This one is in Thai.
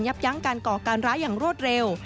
ยั้งการก่อการร้ายอย่างรวดเร็ว